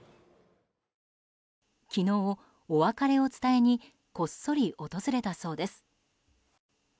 昨日、お別れを伝えにこっそり訪れたそうです。